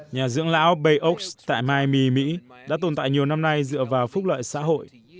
nhà dưỡng lão bay oaks tại miami mỹ đã tồn tại nhiều năm nay dựa vào phúc lợi xã hội